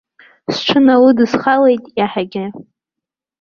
Сҽыналыдсхалеит иаҳагьы.